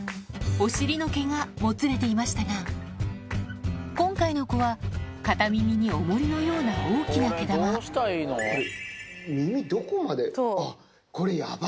お尻の毛がもつれていましたが今回の子は片耳に重りのような大きな毛玉これ。